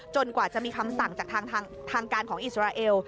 กว่าจะมีคำสั่งจากทางการของอิสราเอล